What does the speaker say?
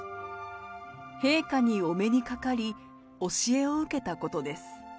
陛下にお目にかかり、教えを受けたことです。